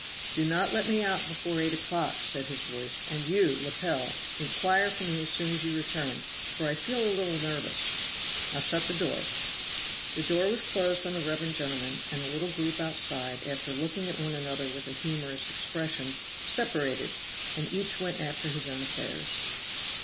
"Do not let me out before eight o'clock," said his voice, "and you, Lepel, inquire for me as soon as you return, for I feel a little nervous. Now shut the door." The door was closed on the reverend gentleman, and the little group outside, after looking at one another with a humorous expression, separated, and each went after his own affairs.